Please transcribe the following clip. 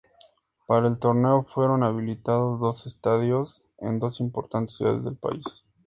Para el torneo fueron habilitados dos estadios en dos importantes ciudades del país.